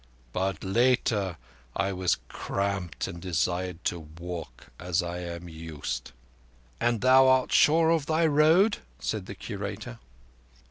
"But later, I was cramped and desired to walk, as I am used." "And thou art sure of thy road?" said the Curator.